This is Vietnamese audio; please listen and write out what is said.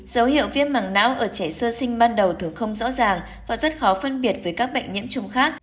dấu hiệu viêm mảng não ở trẻ sơ sinh ban đầu thường không rõ ràng và rất khó phân biệt với các bệnh nhiễm trùng khác